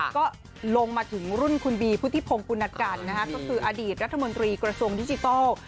ก็ลงมาถึงรุ่นคุณบีพุทธิพงศ์ปุณกันก็คืออดีตรัฐมนตรีกระทรวงดิจิทัล